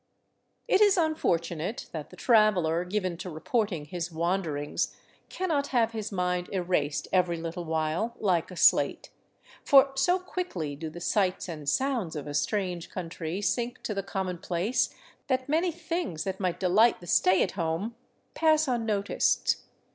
It is unfortunate that the traveler given to reporting his wanderings cannot have his mind erased every little while, hke a slate; for so quickly do the sights and sounds of a strange country sink to the com monplace that many things that might delight the stay at home pass unnoticed.